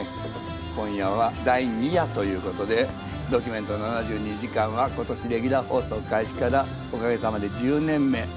今夜は第２夜ということで「ドキュメント７２時間」は今年レギュラー放送開始からおかげさまで１０年目。